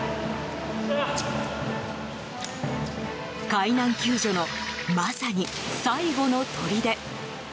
海難救助のまさに最後のとりで。